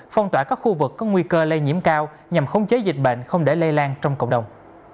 phong tỏa các khu vực có nguy cơ lây nhiễm cao nhằm khống chế dịch bệnh không để lây lan trong cộng đồng